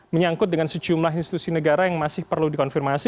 menyangkut dengan sejumlah institusi negara yang masih perlu dikonfirmasi